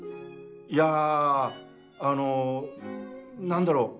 いやあの何だろう。